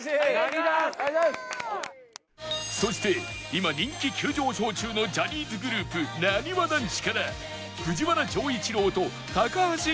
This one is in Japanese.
そして今人気急上昇中のジャニーズグループなにわ男子から藤原丈一郎と高橋恭平が参戦